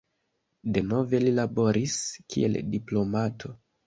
Denove li laboris kiel diplomato.